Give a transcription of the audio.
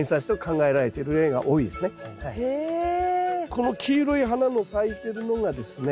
この黄色い花の咲いてるのがですね